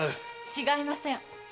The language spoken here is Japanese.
違いません。